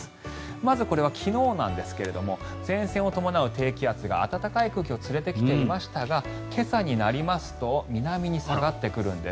まずこれは昨日なんですが前線を伴う低気圧が暖かい空気を連れてきていますが今朝になりますと南に下がってくるんです。